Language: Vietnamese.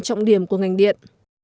trọng điểm của ngành điện